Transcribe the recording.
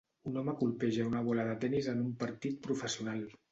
Un home colpeja una bola de tenis en un partit professional.